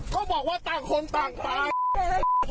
ก็บอกว่าต่างคนต่างไป